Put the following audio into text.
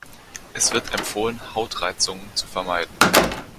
Es wird empfohlen, Hautreizungen zu vermeiden.